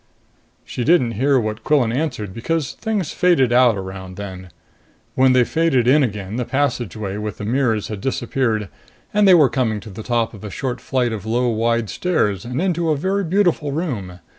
She didn't hear what Quillan answered, because things faded out around then. When they faded in again, the passageway with the mirrors had disappeared, and they were coming to the top of a short flight of low, wide stairs and into a very beautiful room.